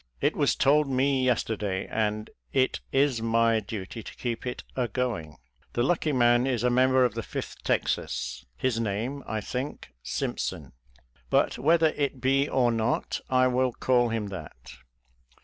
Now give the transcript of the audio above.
It was told me yesterday, and it is my duty to keep it agoing. The lucky man is a member of the Fifth Texas — ^his name, I think, Simpson ; but whether it be or not, I will call him that.